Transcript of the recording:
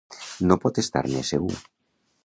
No pot estar-ne segur.